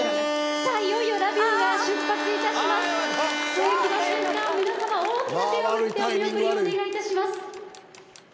世紀の瞬間を皆さま大きく手を振ってお見送りをお願いいたします。